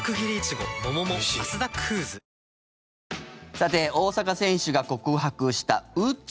さて大坂選手が告白した、うつ。